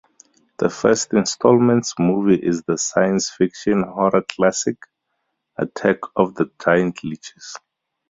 The first installment's movie is the science-fiction horror classic Attack of the Giant Leeches.